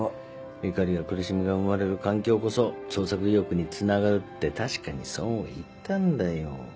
怒りや苦しみが生まれる環境こそ創作意欲につながるって確かにそう言ったんだよ。